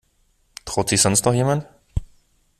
Traut sich sonst noch jemand?